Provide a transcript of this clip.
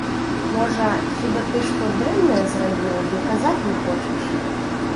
Можа, хіба ты што дрэннае зрабіў, ды казаць не хочаш?